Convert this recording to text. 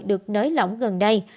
được nới lỏng gần đây